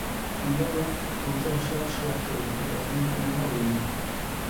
Ondorioz, auto osoak su hartu du, eta ezin izan dira hurbildu.